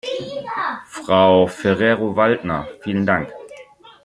Frau Ferrero-Waldner, vielen Dank.